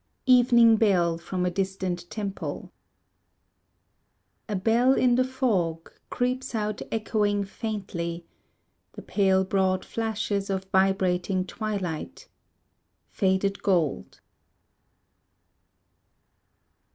Evening Bell from a Distant Temple A bell in the fog Creeps out echoing faintly The pale broad flashes Of vibrating twilight, Faded gold.